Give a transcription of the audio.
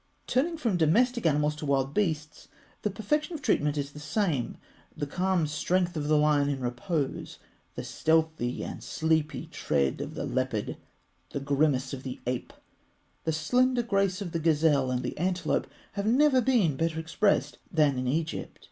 Turning from domestic animals to wild beasts, the perfection of treatment is the same. The calm strength of the lion in repose, the stealthy and sleepy tread of the leopard, the grimace of the ape, the slender grace of the gazelle and the antelope, have never been better expressed than in Egypt.